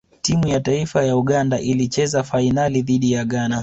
timu ya taifa ya uganda ilicheza fainali dhidi ya ghana